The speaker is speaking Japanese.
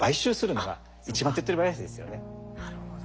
なるほど。